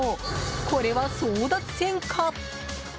これは争奪戦か。